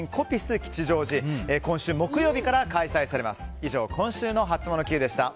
吉祥寺今週木曜日から開催されます。